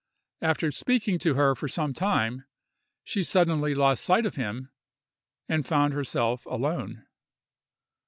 After speaking to her for some time, she suddenly lost sight of him, and found herself alone.